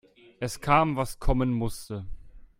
Es kam, was kommen musste.